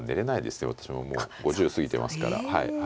私ももう５０過ぎてますから。